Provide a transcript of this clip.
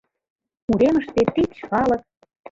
Уремыште тич калык.